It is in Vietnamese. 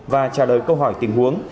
và trả lời câu hỏi tình huống